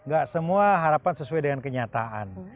gak semua harapan sesuai dengan kenyataan